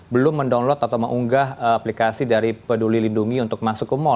belum mendownload atau mengunggah aplikasi dari peduli lindungi untuk masuk ke mal